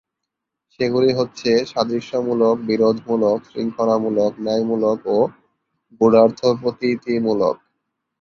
সেগুলি হচ্ছে: সাদৃশ্যমূলক, বিরোধমূলক, শৃঙ্খলামূলক, ন্যায়মূলক ও গূঢ়ার্থপ্রতীতিমূলক।